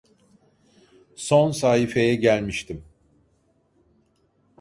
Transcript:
Son sahifeye gelmiştim.